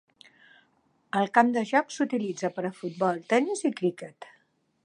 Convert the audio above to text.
El camp de joc s"utilitza per a futbol, tenis i criquet.